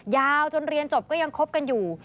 ยาวจนเรียนจบก็ยังคบกันอยู่